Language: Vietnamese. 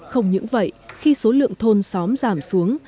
không những vậy khi số lượng thôn xóm giảm xuống